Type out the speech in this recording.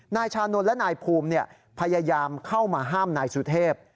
นายชานนท์และนายภูมิพยายามเข้ามาห้ามนายสุเทพ